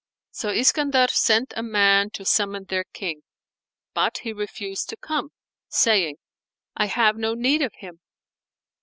So Iskandar sent a man to summon their King, but he refused to come, saying, "I have no need of him."